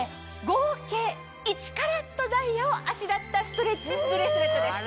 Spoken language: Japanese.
合計１カラットダイヤをあしらったストレッチブレスレットです。